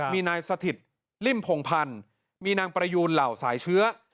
มีนายสถิตริ่มพงพันธ์มีนางประยูนเหล่าสายเชื้อ